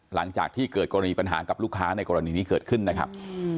หลังจากที่เกิดกรณีปัญหากับลูกค้าในกรณีนี้เกิดขึ้นนะครับ